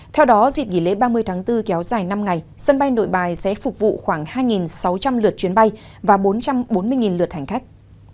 theo đó dịp nghỉ lễ ba mươi tháng bốn kéo dài năm ngày sân bay nội bài sẽ phục vụ khoảng hai sáu trăm linh lượt chuyến bay và bốn trăm bốn mươi lượt hành khách